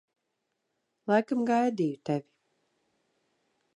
Laikam gaidīju tevi.